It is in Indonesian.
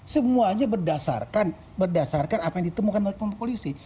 semuanya berdasarkan apa yang ditemukan oleh polisi